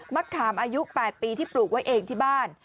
มะขามอายุ๘ปีที่ปลูกไว้เองที่บ้าน